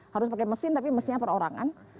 harus pakai mesin tapi mesinnya perorangan